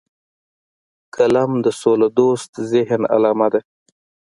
قلم د سولهدوست ذهن علامه ده